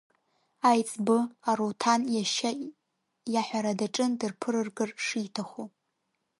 Аиҵбы, Аруҭан, иашьа иаҳәара даҿын дырԥырыргар шиҭаху.